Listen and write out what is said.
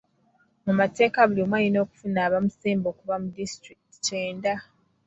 Mu mateeka buli omu alina okufuna abamusemba okuva mu disitulikiti kyenda.